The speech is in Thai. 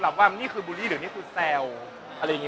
แต่ว่ามันก็ไม่ใช่นึงแย่อะไร